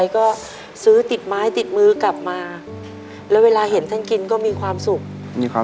ก็ซื้อติดไม้ติดมือกลับมา